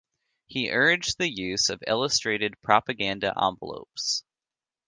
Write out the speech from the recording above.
He urged the use of illustrated propaganda envelopes.